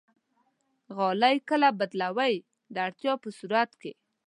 غالۍ کله بدلوئ؟ د اړتیا په صورت کې